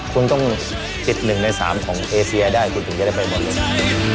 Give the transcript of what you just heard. คุณต้องติดหนึ่งในสามของเอเซียได้คุณจะได้ไปบอลล่วง